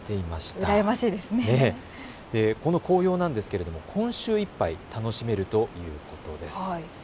この紅葉なんですけれども今週いっぱいは楽しめるということです。